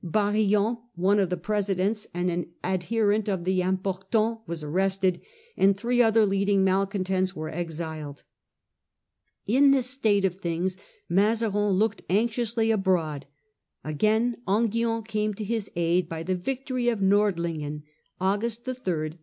Barillon, one of the presidents and an adherent of the * Impor tants/ was arrested, and three other leading malcontents were exiled. In this state of things Mazarin looked anxiously abroad ; again Enghien came to his aid by the victory of Battle of Nordlingen (August 3, 1645).